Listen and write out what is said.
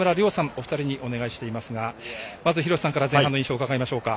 お二人にお願いしていますが廣瀬さんから前半の印象を伺いましょうか。